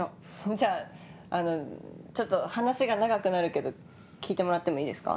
じゃああのちょっと話が長くなるけど聞いてもらってもいいですか？